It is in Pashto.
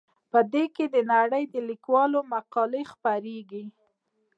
په دې کې د نړۍ د لیکوالو مقالې خپریږي.